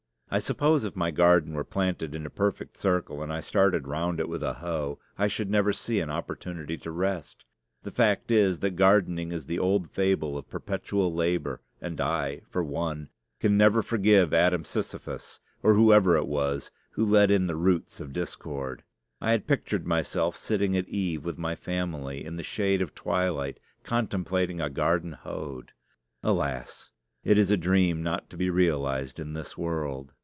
I suppose if my garden were planted in a perfect circle, and I started round it with a hoe, I should never see an opportunity to rest. The fact is, that gardening is the old fable of perpetual labor; and I, for one, can never forgive Adam Sisyphus, or whoever it was, who let in the roots of discord. I had pictured myself sitting at eve with my family, in the shade of twilight, contemplating a garden hoed. Alas! it is a dream not to be realized in this world.